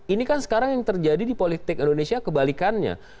ini kan sekarang yang terjadi di politik indonesia kebalikannya